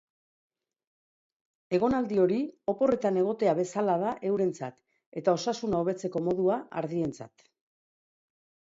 Egonaldi hori oporretan egotea bezala da eurentzat, eta osasuna hobetzeko modua ardientzat.